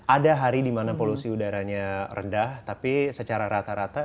ada hari di mana polusi udaranya rendah tapi secara rata rata